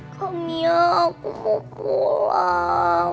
kak mia aku mau pulang